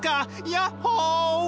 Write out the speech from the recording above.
ヤッホー！